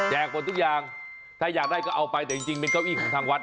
หมดทุกอย่างถ้าอยากได้ก็เอาไปแต่จริงเป็นเก้าอี้ของทางวัด